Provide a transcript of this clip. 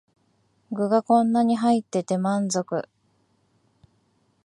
具がこんなに入ってて満足